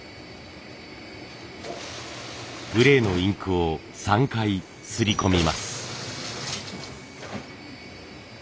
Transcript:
グレーのインクを３回すり込みます。